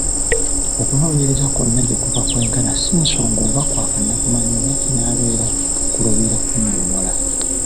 Okunoonyereza kwonna gye kuva kwenkana, si nsonga oba kwa kannakumanya oba kinnambeera, kuluubirira kunnyonnyola.